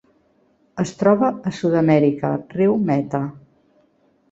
Es troba a Sud-amèrica: riu Meta.